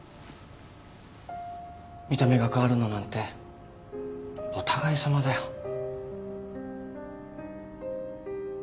見た目が変わるのなんてお互いさまだよ。